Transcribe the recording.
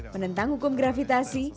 menentang hukum gravitasi